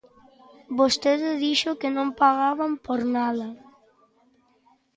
Vostede dixo que non pagaban por nada.